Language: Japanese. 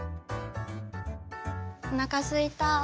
おなかすいた。